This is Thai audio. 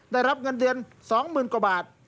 ได้รับเงินเดือน๒๐๐๐กว่าบาท